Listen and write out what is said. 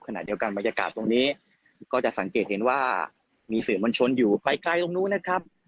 ขณะเดียวกันบรรยากาศตรงนี้ก็จะสังเกตเห็นว่ามีสื่อมวลชนอยู่ไปไกลตรงนู้นนะครับ